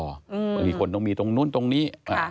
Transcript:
บางทีคนต้องมีตรงนู้นตรงนี้